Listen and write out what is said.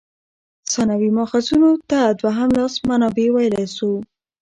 ثانوي ماخذونو ته دوهم لاس منابع ویلای سو.